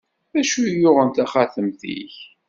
D acu i yuɣen taxatemt-ik?